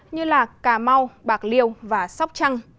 như là cà mau bạc liêu và sóc trăng